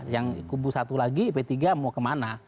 yang kubu satu lagi p tiga mau kemana